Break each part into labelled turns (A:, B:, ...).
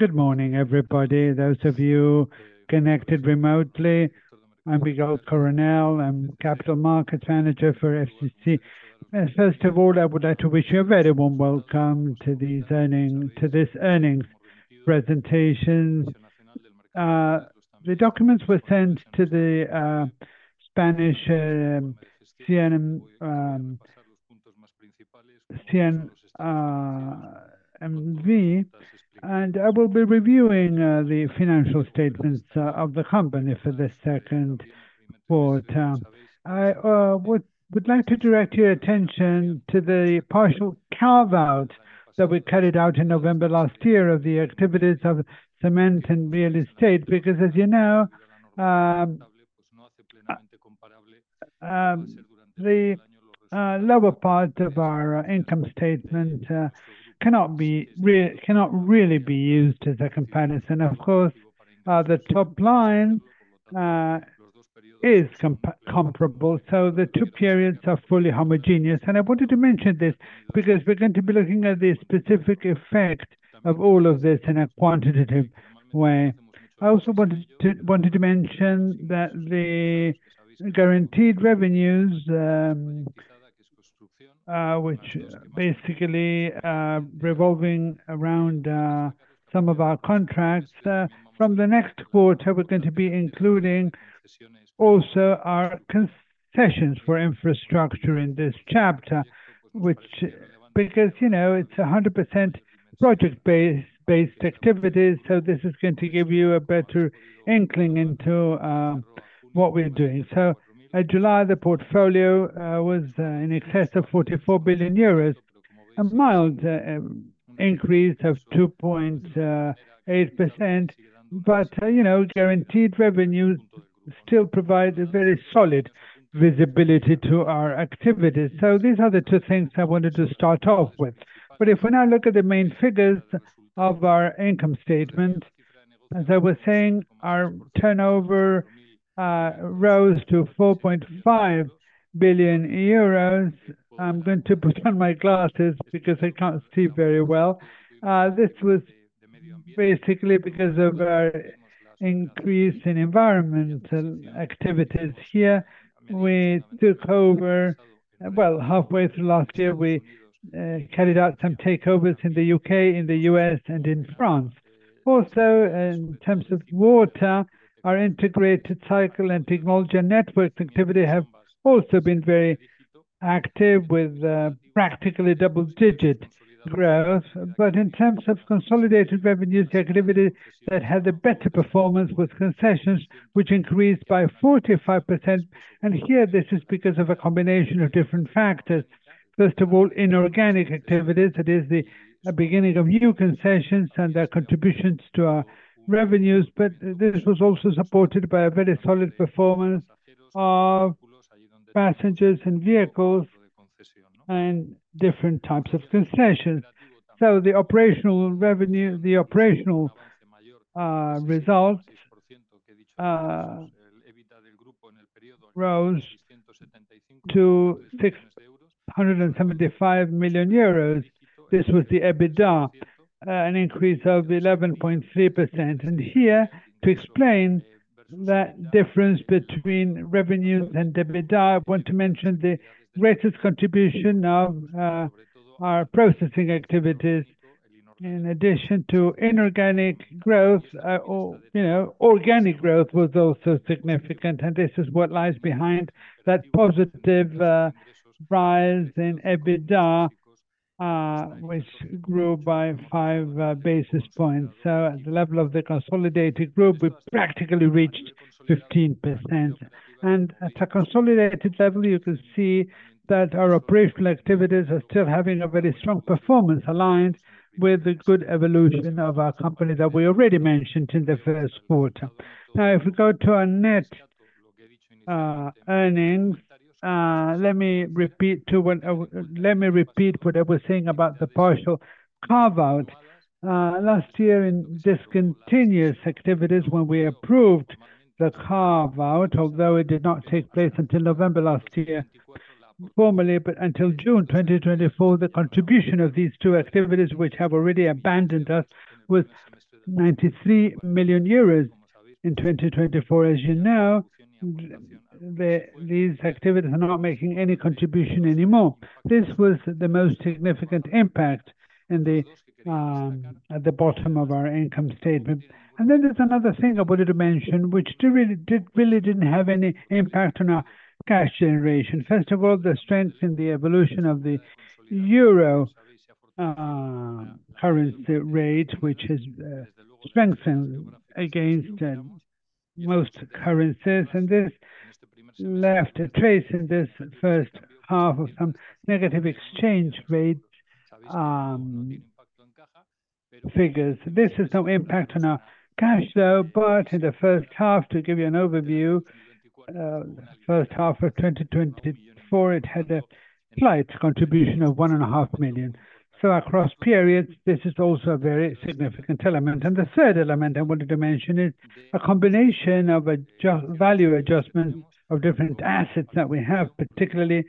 A: Good morning everybody. Those of you connected remotely. I'm Miguel Coronel, I'm Capital Markets Manager for FCC. First of all, I would like to wish you a very warm welcome to these earnings, to this earnings presentation. The documents were sent to the Spanish CNMV and I will be reviewing the financial statements of the company for this second quarter. I would like to direct your attention to the partial carve-out that we carried out in November last year of the activities of cement and real estate. Because as you know, the lower part of our income statement cannot really be used as a component. Of course, the top line is comparable. The two periods are fully homogeneous. I wanted to mention this because we're going to be looking at the specific effect of all of this in a quantitative way. I also wanted to mention that the guaranteed revenues which basically revolve around some of our contracts from the next quarter, we're going to be including also our concessions for infrastructure in this chapter which, because you know, it's 100% project-based activities. This is going to give you a better inkling into what we're doing. In July, the portfolio was in excess of 44 billion euros, a mild increase of 2.8%. Guaranteed revenues still provide a very solid visibility to our activities. These are the two things I wanted to start off with. If we now look at the main figures of our income statement, as I was saying, our turnover rose to 4.5 billion euros. I'm going to put on my glasses because I can't see very well. This was basically because of our increase in environmental activities here which we took over well halfway through last year. We carried out some takeovers in the U.K., in the U.S. and in France. Also in terms of water, our integrated cycle and technology and network activity have also been very active with practically double-digit growth. In terms of consolidated revenues, activity that had the better performance was concessions which increased by 45%. Here this is because of a combination of different factors. First of all, inorganic activities, it is the beginning of new concessions and their contributions to our revenues. This was also supported by a very solid performance of passengers and vehicles and different types of concessions. The operational revenue, the operational result rose to 675 million euros. This was the EBITDA, an increase of 11.3%. Here to explain that difference between revenues and EBITDA, I want to mention the greatest contribution of our processing activities. In addition to inorganic growth, organic growth was also significant. This is what lies behind that positive rise in EBITDA, which grew by 5 basis points. At the level of the consolidated group, we practically reached 15%. At a consolidated level, you can see that our operational activities are still having a very strong performance aligned with the good evolution of our company that we already mentioned in the first quarter. If we go to our net earnings, let me repeat what I was saying about the partial carve-out last year in discontinuous activities. When we approved the carve-out, although it did not take place until November last year formally, until June 2024, the contribution of these two activities, which have already abandoned us, was 93 million euros in 2024. As you know, these activities are not making any contribution anymore. This was the most significant impact at the bottom of our income statement. There is another thing I wanted to mention which really did not have any impact on our cash generation. First of all, the strength in the evolution of the euro current rate, which has strengthened against most currencies. This left a trace in this first half of some negative exchange rate figures. This has no impact on our cash flow, but in the first half, to give you an overview, first half of 2020, it had a slight contribution of 1.5 million. Across periods, this is also a very significant element. The third element I wanted to mention is a combination of asset value adjustments of different assets that we have, particularly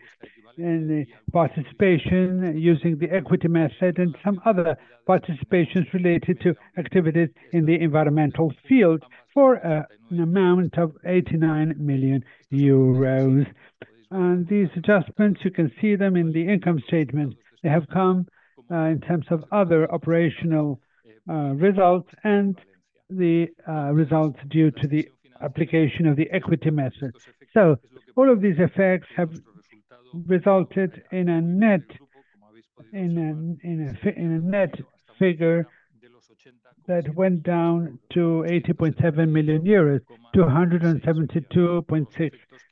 A: in the participation using the equity method and some other participations related to activities in the environmental field for an amount of 89 million euros. These adjustments, you can see them in the income statement. They have come in terms of other operational results and the results due to the application of the equity method. All of these effects have resulted in a net figure that went down from 80.7 million euros to 172.6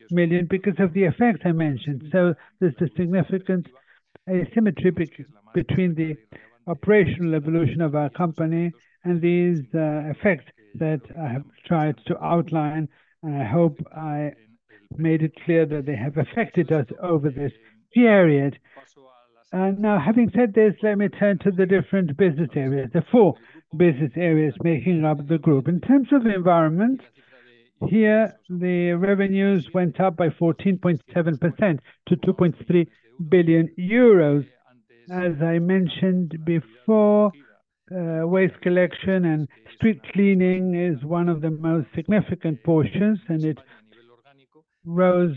A: million because of the effect I mentioned. There is a significant asymmetry between the operational evolution of our company and these effects that I have tried to outline, and I hope I made it clear that they have affected us over this period. Now, having said this, let me turn to the different business areas, the four business areas making up the group in terms of environment. Here the revenues went up by 14.7% to 2.3 billion euros. As I mentioned before, waste collection and street cleaning is one of the most significant portions. It rose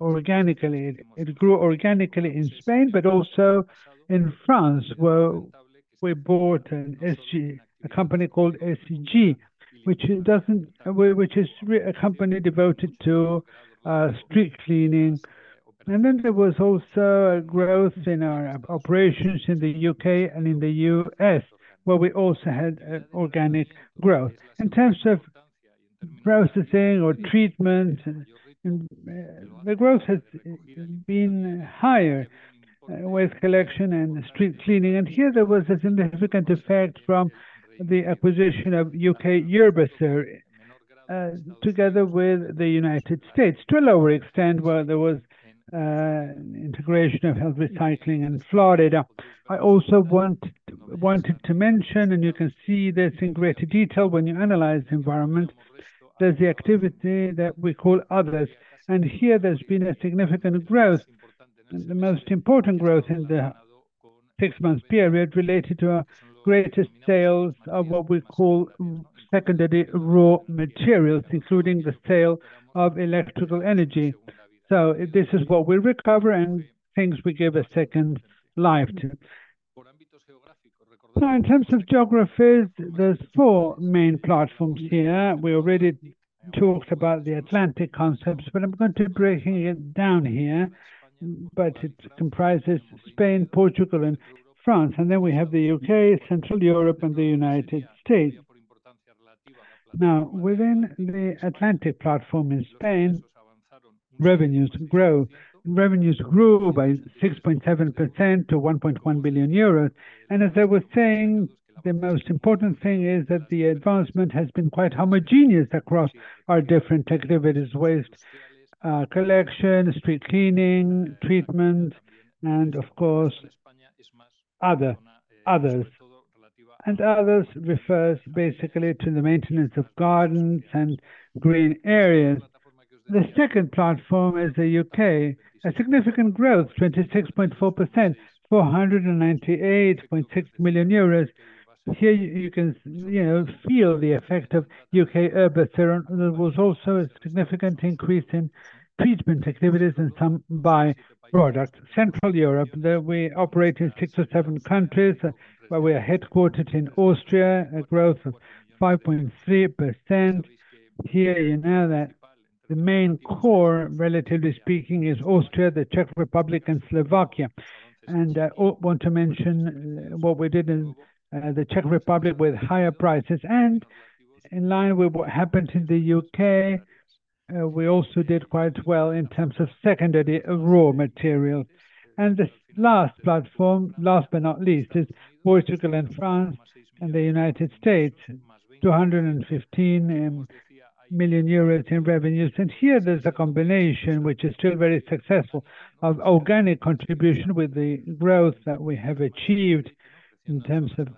A: organically. It grew organically in Spain, but also in France, where we bought ESG, a company called ESG, which is a company devoted to street cleaning. There was also a growth in our operations in the U.K. and in the U.S. where we also had organic growth. In terms of processing or treatment, the growth has been higher than waste collection and street cleaning. Here there was a significant effect from the acquisition of U.K. Urbaser together with the United States, to a lower extent, where there was integration of Health Recycling in Florida. I also wanted to mention, and you can see this in greater detail when you analyze the environment, there's the activity that we call others. Here there's been a significant growth, the most important growth in the six months period related to our greatest sales of what we call secondary raw materials, including the sale of electrical energy. This is what we recover and things we give a second life to. In terms of geographies, there's four main platforms here. We already talked about the Atlantic concepts, but I'm going to break it down here. It comprises Spain, Portugal, and France. Then we have the U.K., Central Europe, and the United States. Now within the Atlantic platform, in Spain, revenues grew by 6.7% to 1.1 billion euros. As I was saying, the most important thing is that the advancement has been quite homogeneous across our different activities: waste collection, street cleaning, treatment, and of course others. Others refers basically to the maintenance of gardens and green areas. The second platform is the U.K., a significant growth, 26.4%, 498.6 million euros. Here you can feel the effect of U.K. Urbaser. There was also a significant increase in treatment activities and some byproduct. Central Europe, where we operate in six or seven countries, where we are headquartered in Austria, had a growth of 5.3%. Here you know that the main core, relatively speaking, is Austria, the Czech Republic, and Slovakia. I want to mention what we did in the Czech Republic with higher prices, and in line with what happened in the U.K., we also did quite well in terms of secondary raw material. The last platform, last but not least, is Portugal and France and the United States, 215 million euros in revenues. Here there's a combination, which is still very successful, of organic contribution with the growth that we have achieved in terms of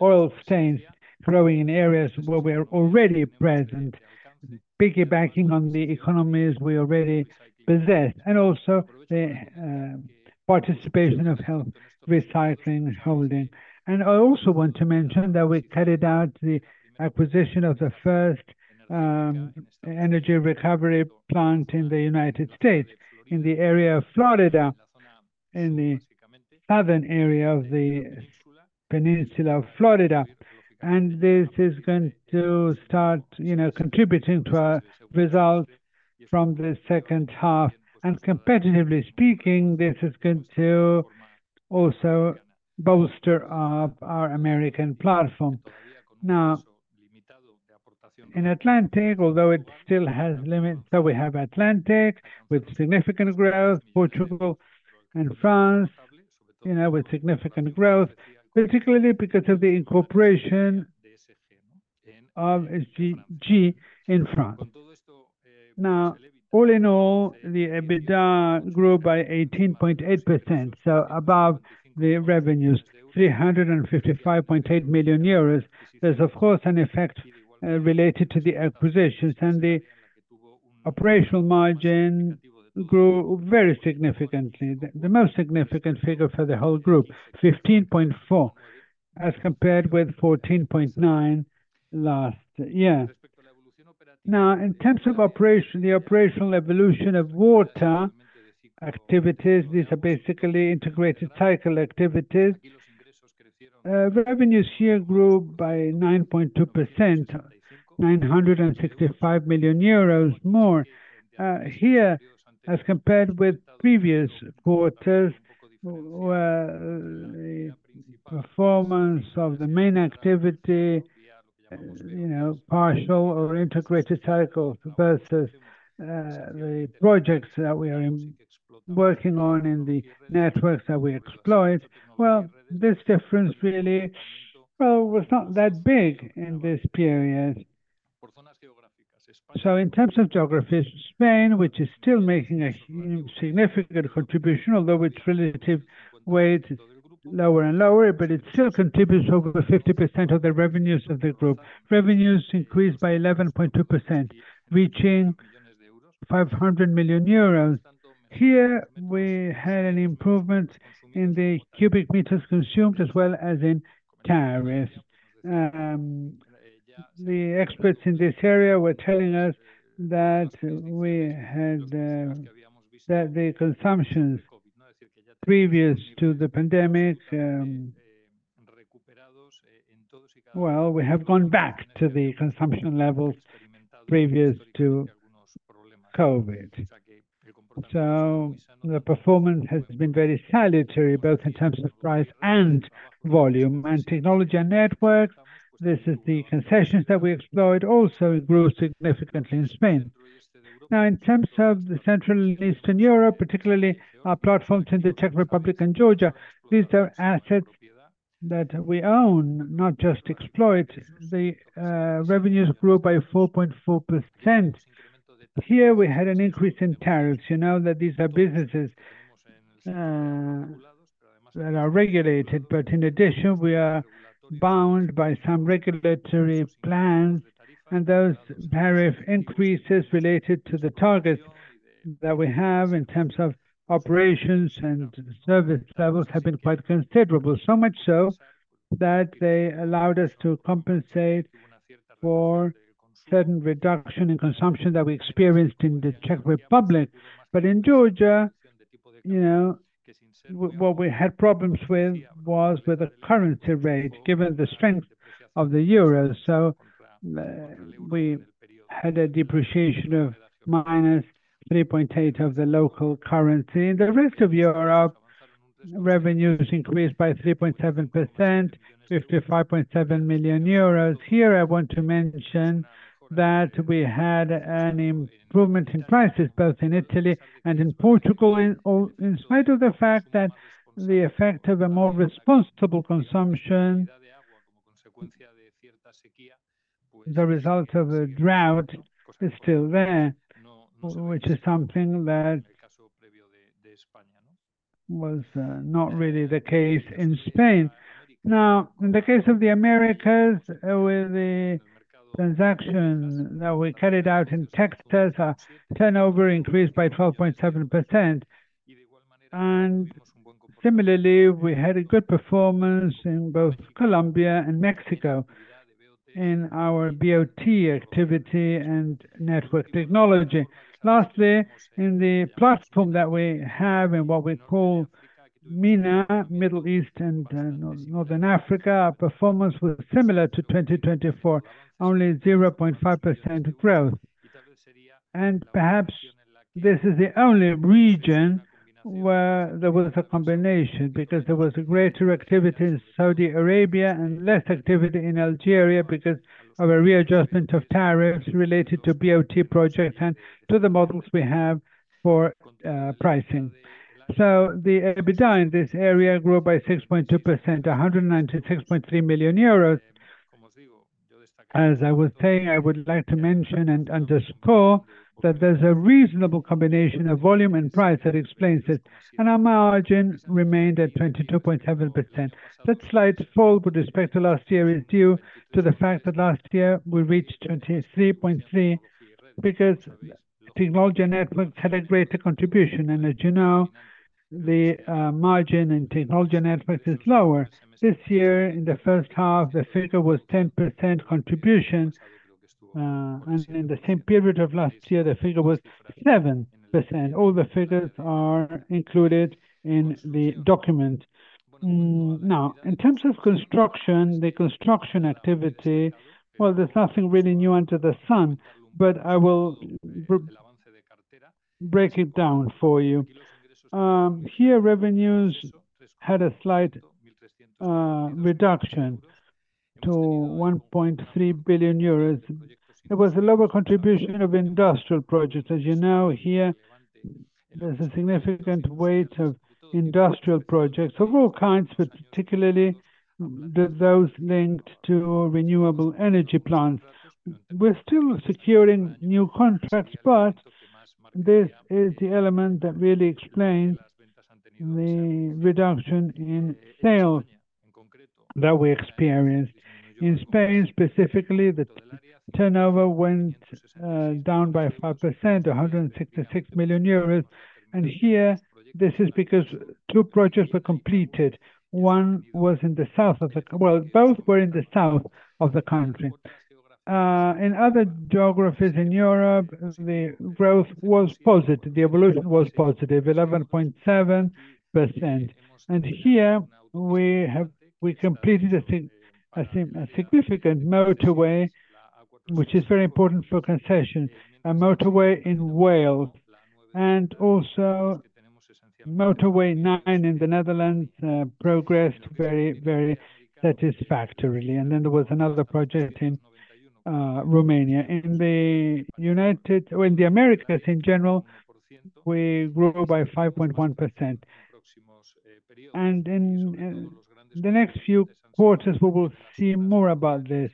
A: oil stains growing in areas where we are already present, piggybacking on the economies we already possess, and also the participation of Health Recycling Holding. I also want to mention that we carried out the acquisition of the first energy recovery plant in the United States in the area of Florida, in the southern area of the peninsula of Florida. This is going to start contributing to our results from the second half, and competitively speaking, this is going to also bolster up our American platform now in Atlantic, although it still has limits. We have Atlantic with significant growth, Portugal and France with significant growth, particularly because of the incorporation of ESG in France. All in all, the EBITDA grew by 18.8%, so above the revenues, 355.8 million euros. There's of course an effect related to the acquisitions, and the operational margin grew very significantly. The most significant figure for the whole group, 15.4% as compared with 14.9% last year. In terms of operation, the operational evolution of water activities, these are basically integrated cycle activities. Revenues here grew by 9.2%, 965 million euros more here as compared with previous quarters, where the performance of the main activity, partial or integrated cycle versus the projects that we are working on in the networks that we exploit. This difference really was not that big in this period. In terms of geographies, Spain, which is still making a significant contribution, although its relative weight is lower and lower, still contributes over 50% of the revenues of the group. Revenues increased by 11.2%, reaching 500 million euros. Here we had an improvement in the cubic meters consumed as well as in tariffs. The experts in this area were telling us that we had the consumptions previous to the pandemic. We have gone back to the consumption levels previous to COVID, so the performance has been very salutary, both in terms of price and volume and technology and network. This is. The concessions that we explored also grew significantly in Spain. Now, in terms of Central and Eastern Europe, particularly our platforms in the Czech Republic and Georgia, these are assets that we own, not just exploit. The revenues grew by 4.4%. Here we had an increase in tariffs. You know that these are businesses that are regulated, but in addition, we are bound by some regulatory plans. Those tariff increases related to the targets that we have in terms of operations and service levels have been quite considerable. They allowed us to compensate for certain reduction in consumption that we experienced in the Czech Republic. In Georgia, what we had problems with was with the currency rate, given the strength of the euro. We had a depreciation of -3.8% of the local currency. In the rest of Europe, revenues increased by 3.7%, 55.7 million euros. Here I want to mention that we had an improvement in prices both in Italy and in Portugal, in spite of the fact that the effect of a more responsible consumption, the result of the drought, is still there, which is something that was not really the case in Spain. In the case of the Americas, with the transaction that we carried out in Texas, turnover increased by 12.7%. Similarly, we had a good performance in both Colombia and Mexico in our BOT activity and network technology. Lastly, in the platform that we have in what we call MENA, Middle East and North Africa, our performance was similar to 2024, only 0.5% growth. Perhaps this is the only region where there was a combination because there was a greater activity in Saudi Arabia and less activity in Algeria because of a readjustment of tariffs related to BOT projects and to the models we have for pricing. The EBITDA in this area grew by 6.2%, 196.3 million euros. As I was saying, I would like to mention and underscore that there's a reasonable combination of volume and price that explains it. Our margin remained at 22.7%. That slight fall with respect to last year is due to the fact that last year we reached 23.3% because technology networks had a greater contribution. As you know, the margin in technology networks is lower this year. In the first half, the figure was 10% contribution. In the same period of last year, the figure was 7%. All the figures are included in the document. Now, in terms of construction, the construction activity, there's nothing really new under the sun, but I will break it down for you here. Revenues had a slight reduction to 1.3 billion euros. There was a lower contribution of industrial projects, as you know here, there's a significant weight of industrial projects of all kinds, but particularly those linked to renewable energy plants. We're still securing new contracts, but this is the element that really explains the reduction in sales that we experienced. In Spain specifically, the turnover went down by 5%, 166 million euros. This is because two projects were completed. Both were in the south of the country. In other geographies in Europe, the growth was positive, the evolution was positive, 11.7%. We completed a significant motorway, which is very important for concession, a motorway in Wales, and also Motorway 9 in the Netherlands progressed very, very satisfactorily. There was another project in Romania. In the Americas in general, we grew by 5.1%. In the next few quarters we will see more about this,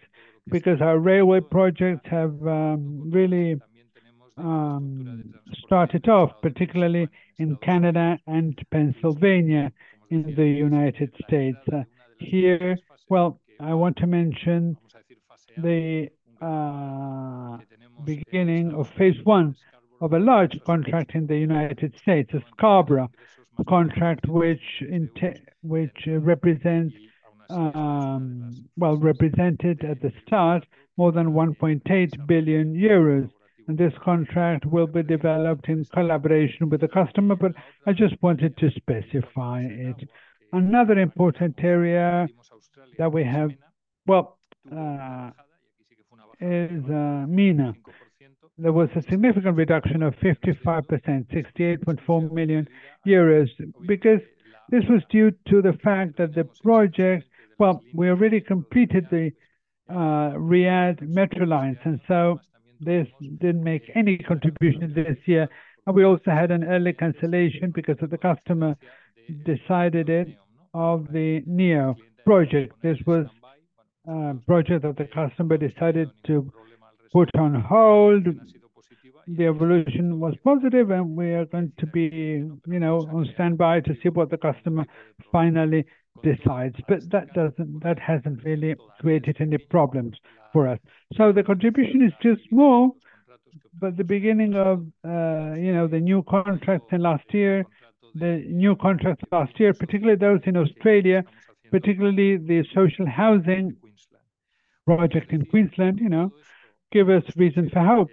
A: because our railway projects have really started off, particularly in Canada and Pennsylvania, in the United States. I want to mention the beginning of phase one of a large contract in the United States, a Scarborough contract which represented at the start more than 1.8 billion euros. This contract will be developed in collaboration with the customer. I just wanted to specify it. Another important area that we have is MENA. There was a significant reduction of 55%, 68.4 million euros. This was due to the fact that the project, we already completed the Riyadh Metro lines and so this didn't make any contributions this year. We also had an early cancellation because the customer decided it, of the NIO project. This was a project the customer decided to put on hold. The evolution was positive and we are going to be on standby to see what the customer finally decides. That hasn't really created any problems for us. The contribution is too small. The beginning of the new contracts last year, particularly those in Australia, particularly the social housing project in Queensland, give us reason for help.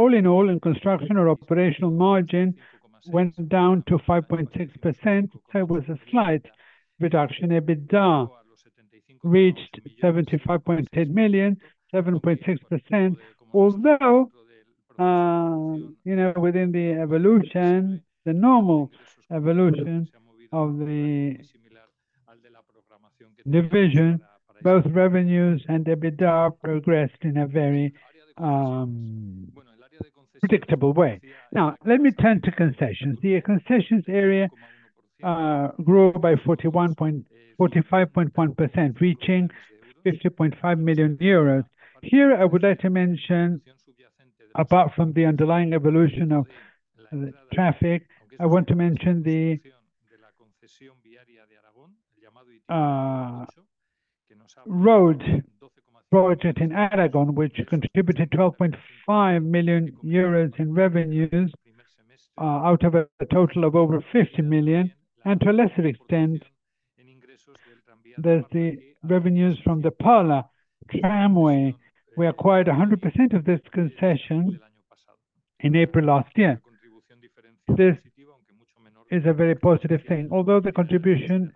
A: All in all, in construction our operational margin went down to 5.6%. There was a slight reduction. EBITDA reached EUR 75.8 million, 7.6%. Although, you know, within the evolution, the normal evolution of the division, both revenues and EBITDA progressed in a very predictable way. Now let me turn to concessions. The concessions area grew by 45.1%, reaching 50.5 million euros. Here I would like to mention, apart from the underlying evolution of traffic, I want to mention the road project in Aragon, which contributed 12.5 million euros in revenues out of a total of over 50 million. To a lesser extent there's the revenues from the Parla Tramway. We acquired 100% of this concession in April last year. This is a very positive thing, although the contribution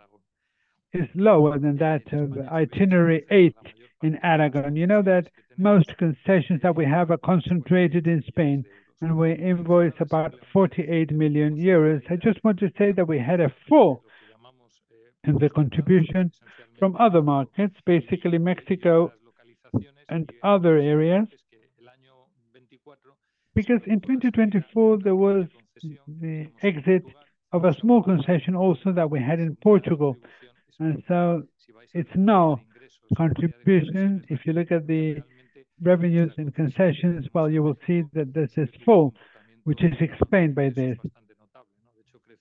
A: is lower than that of itinerary 8 in Aragon. You know that most concessions that we have are concentrated in Spain and where we invoice about 48 million euros. I just want to say that we had a fall in the contribution from other markets, basically Mexico and other areas, because in 2024 there was the exit of a small concession also that we had in Portugal. Now its contribution, if you look at the revenues in concessions, you will see that this is full, which is explained by this,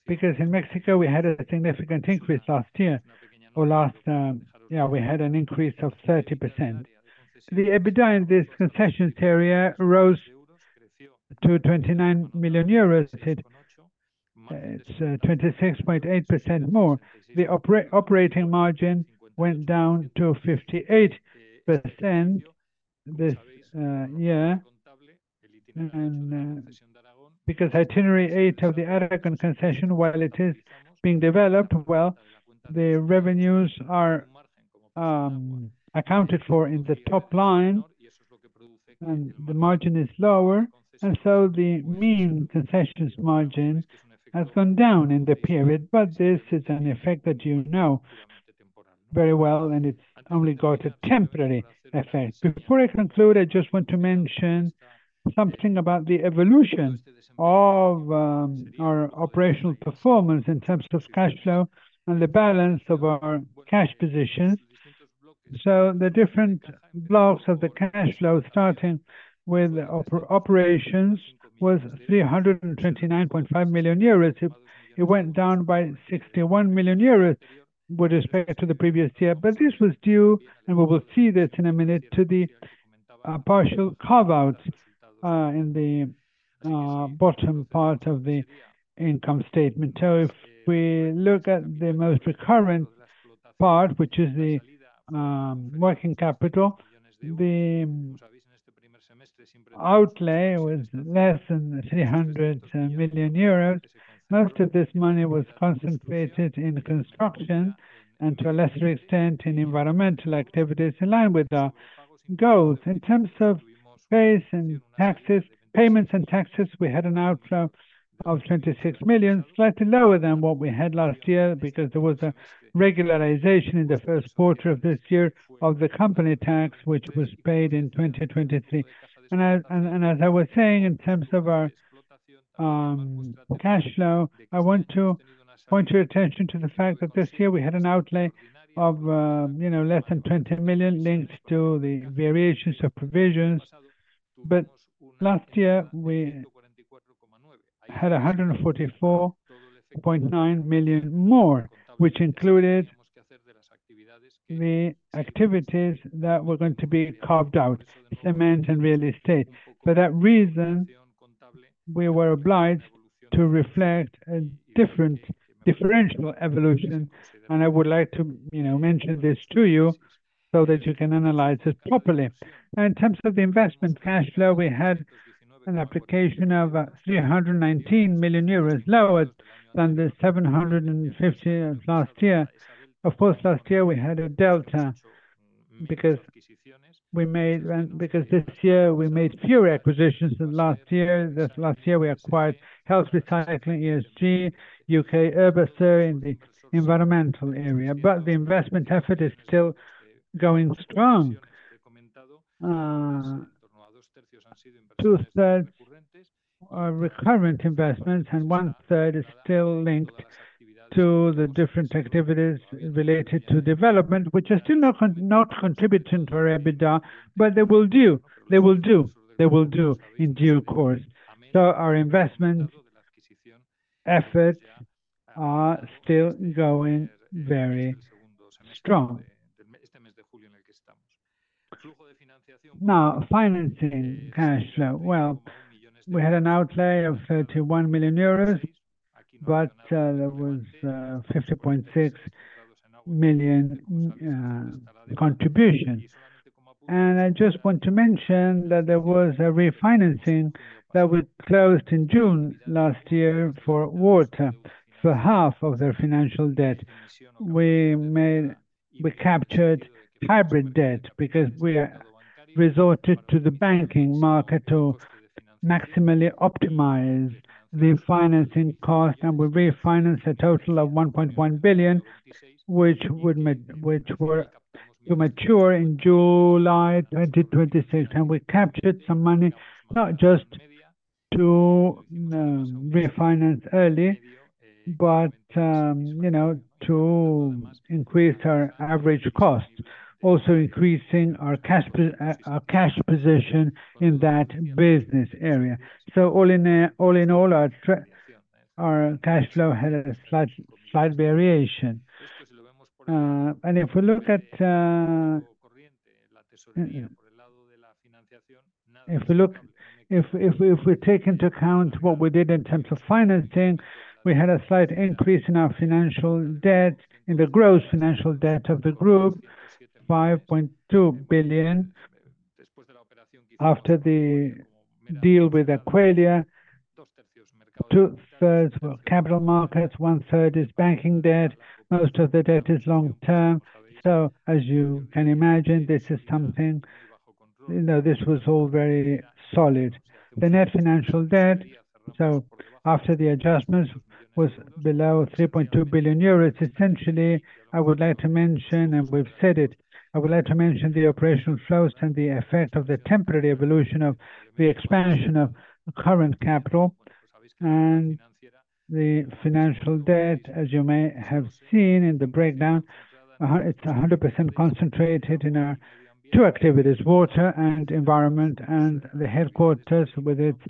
A: because in Mexico we had a significant increase last year or last year we had an increase of 30%. The EBITDA in this concessions area rose to 29 million euros. It's 26.8% more. The operating margin went down to 58% this year because itinerary 8 of the Aragon concession, while it is being developed well, the revenues are accounted for in the top line and the margin is lower. The mean concessions margin has gone down in the period. This is an effect that you know very well, and it's only got a temporary effect. Before I conclude, I just want to mention something about the evolution of our operational performance in terms of cash flow and the balance of our cash position. The different blocks of the cash flow, starting with operations, was 329.5 million euros year receipt. It went down by 61 million euros with respect to the previous year. This was due, and we will see this in a minute, to the partial carve-outs in the bottom part of the income statement. If we look at the most recurrent part, which is the working capital, the outlay was less than 300 million euros. Most of this money was concentrated in construction and to a lesser extent in environmental activities, in line with our goals. In terms of payments and taxes, we had an outflow of 26 million, slightly lower than what we had last year because there was a regularization in the first quarter of this year of the company tax, which was paid in 2023. As I was saying, in terms of our cash flow, I want to point your attention to the fact that this year we had an outlay of less than 20 million, linked to the variations of provisions. Last year we had 144.9 million more, which included the activities that were going to be carved out, cement and real estate. For that reason, we were obliged to reflect a different differential evolution. I would like to mention this to you so that you can analyze it properly. In terms of the investment cash flow, we had an application of 319 million euros, lower than the 750 million last year. Last year we had a delta because this year we made fewer acquisitions. Last year we acquired Health Recycling, ESG, U.K. Urbaser in the environmental area. The investment effort is still going strong. Two thirds are recurrent investments and one third is still linked to the different activities related to development, which are still not contributing to our EBITDA. They will do in due course. Our investment efforts are still going very strong. Now, financing cash flow. We had an outlay of 31 million euros, but there was 50.6 million contributions. I just want to mention that there was a refinancing that was closed in June last year for water, for half of their financial debt. We captured hybrid debt because we resorted to the banking market to maximally optimize the financing cost. We refinanced a total of 1.1 billion, which were to mature in July 2026. We captured some money not just to refinance early, but to increase our average cost, also increasing our cash position in that business area. All in all, our cash flow had a slight variation. If we take into account what we did in terms of financing, we had a slight increase in our financial debt. In the gross financial debt of the group, 5.2 billion after the deal with Aqualia. Two thirds were capital markets, one third is banking debt. Most of the debt is long term. As you can imagine, this was all very solid. The net financial debt, after the adjustments, was below 3.2 billion euros. Essentially, I would like to mention, and we've said it, I would like to mention the operational flows and the effect of the temporary evolution of the expansion of current capital and the financial debt. As you may have seen in the breakdown, it's 100% concentrated in our two activities, water and environment, and the headquarters with its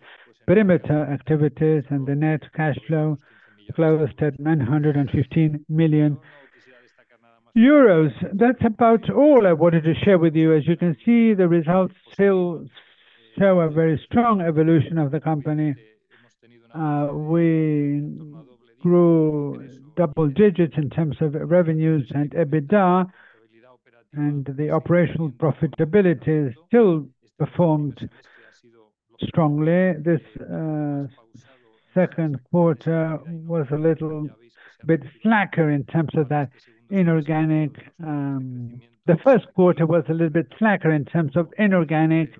A: perimeter activities. The net cash flow, 915 million euros. That's about all I wanted to share with you. As you can see, the results still show a very strong evolution of the company. We grew double digits in terms of revenues and EBITDA, and the operational profitability still performed strongly. This second quarter was a little bit slacker in terms of that inorganic. The first quarter was a little bit slacker in terms of inorganic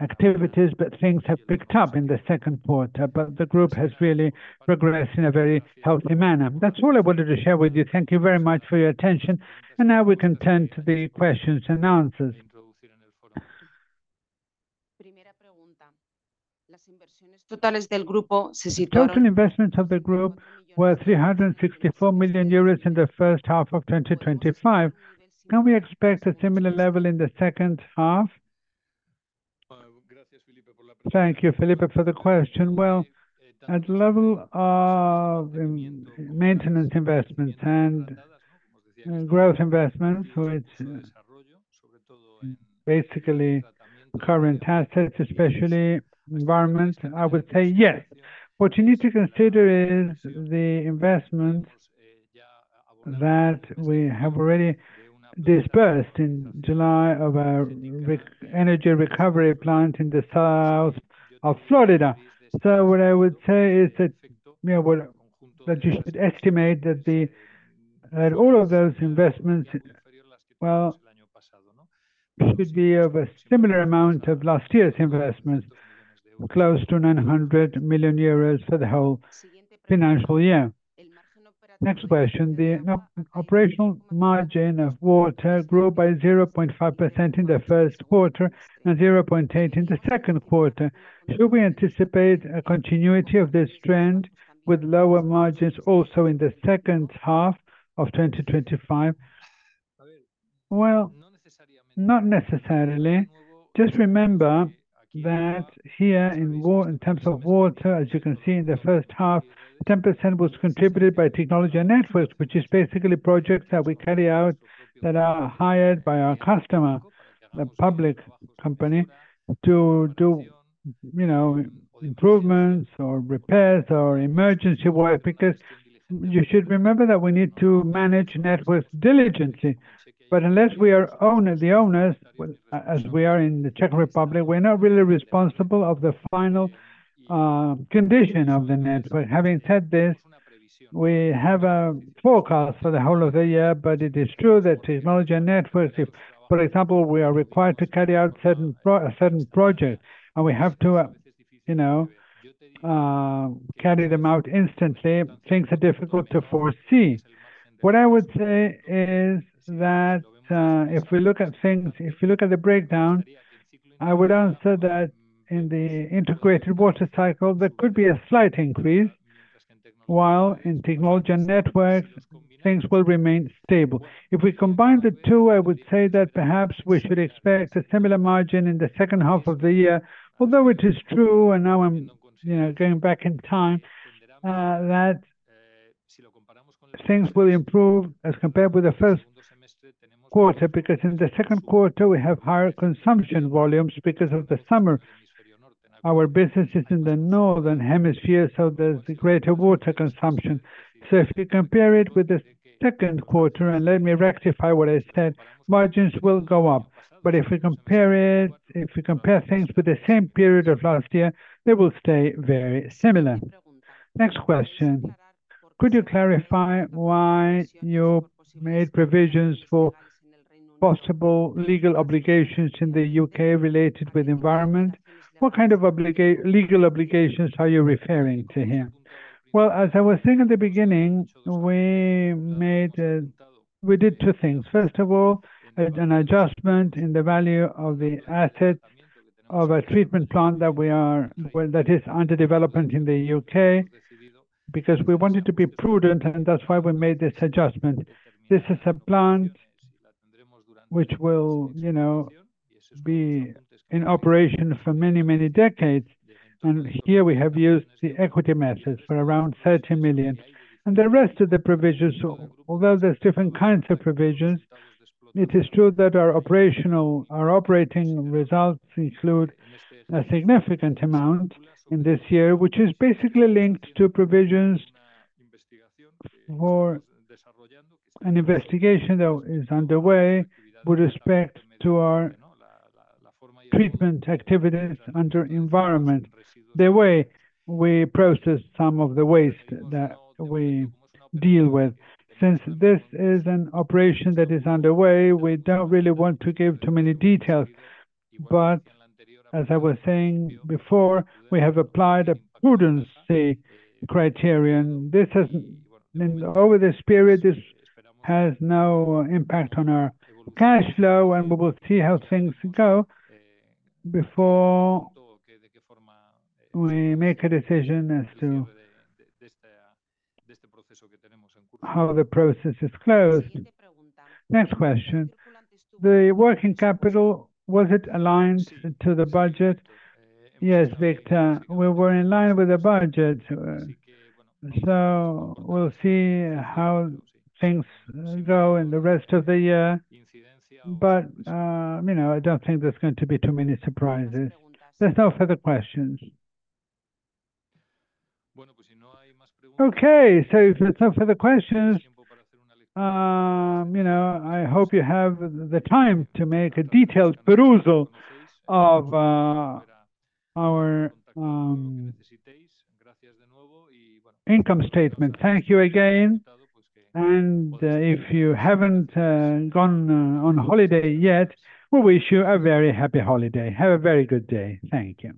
A: activities, but things have picked up in the second quarter. The group has really progressed in a very healthy manner. That's all I wanted to share with you. Thank you very much for your attention. Now we can turn to the questions and answers. Total investments of the group were 364 million euros in the first half of 2025. Can we expect a similar level in the second half? Thank you, Felipe, for the question. At level of maintenance investments and growth investments, basically current assets, especially environment, I would say yes. What you need to consider is the investments that we have already dispersed in July of our energy recovery plant in the south of Florida. What I would say is that you should estimate that all of those investments should be of a similar amount of last year's investments, close to 900 million euros for the whole financial year. Next question. The operational margin of water grew by 0.5% in the first quarter and 0.8% in the second quarter. Should we anticipate a continuity of this trend with lower margins also in the second half of 2025? Not necessarily. Just remember that here in water, as you can see, in the first half, 10% was contributed by technology networks, which is basically projects that we carry out that are hired by our customer, the public company, to, you know, improvements or repairs or emergency work. You should remember that we need to manage network diligently. Unless we are the owners, as we are in the Czech Republic, we're not really responsible of the final condition of the network. Having said this, we have a forecast for the whole of the year. It is true that technology and networks, if, for example, we are required to carry out a certain project and we have to carry them out instantly, things are difficult to foresee. What I would say is that if we look at things, if you look at the breakdown, I would answer that in the integrated water cycle there could be a slight increase, while in technology and networks things will remain stable. If we combine the two, I would say that perhaps we should expect a similar margin in the second half of the year, although it is true, and now I'm going back in time, that things will improve as compared with the first quarter. In the second quarter we have higher consumption volumes because of the summer, our business is in the north and hemisphere south does the greater water consumption. If you compare it with the second quarter, and let me rectify what I said, margins will go up. If we compare things with the same period of last year, they will stay very similar. Next question. Could you clarify why you made provisions for possible legal obligations in the U.K. related with environment? What kind of legal obligations are you referring to here? As I was saying at the beginning, we did two things. First of all, an adjustment in the value of the assets of a treatment plant that is under development in the U.K. because we wanted to be prudent and that's why we made this adjustment. This is a plant which will be in operation for many, many decades. Here we have used the equity methods for around 30 million. The rest of the provisions, although there's different kinds of provisions, it is true that our operating results include a significant amount in this year, which is basically linked to provisions for an investigation that is underway with respect to our treatment activities under environment, the way we process some of the waste that we deal with. Since this is an operation that is underway, we don't really want to give too many details. As I was saying before, we have applied a prudent criterion. Over this period this has no impact on our cash flow and we will see how things go before we make a decision as to how the process is closed. Next question. The working capital, was it aligned to the budget? Yes, Victor, we were in line with the budget. We will see how things go in the rest of the year. I don't think there's going to be too many surprises. There's no further questions. Okay. If that's not for the questions, I hope you have the time to make a detailed perusal of our income statement. Thank you again. If you haven't gone on holiday yet, we wish you a very happy holiday. Have a very good day. Thank you.